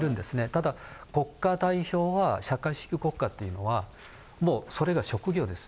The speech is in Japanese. ただ、国家代表は社会主義国家というのは、もう、それが職業です。